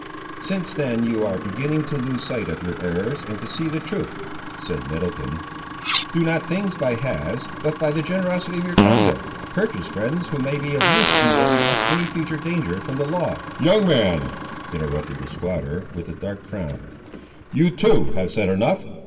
"Since then you are beginning to lose sight of your errors, and to see the truth," said Middleton, "do not things by halves, but, by the generosity of your conduct, purchase friends who may be of use in warding off any future danger from the law—" "Young man," interrupted the squatter, with a dark frown, "you, too, have said enough.